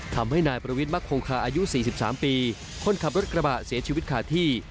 ทำให้นายประวิทย์มักโคงคาอายุ๔๓ปีคนขับรถกระบะเสียชีวิตขาดที่